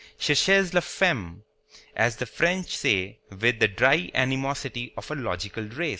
"Cherchez la femme," as the French say with the dry animosity of a logical race.